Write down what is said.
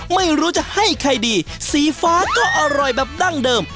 ไม่รู้จะให้ใครดีสีฟ้าก็อร่อยแบบดั้งเดิม